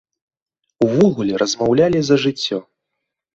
Увогуле размаўлялі за жыццё.